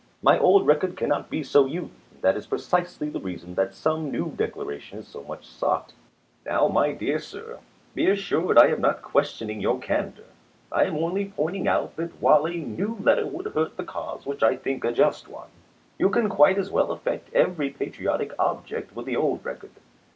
My old record cannot be so used; and that is precisely the reason that some new declaration is so much sought. Now, my dear sir, be assured I am not questioning your candor; I am only pointing out that while a new QUESTIONS AND ANSWERS 285 letter would hurt the cause which I think a just one, you ch. xviii. can quite as well effect every patriotic object with the old record.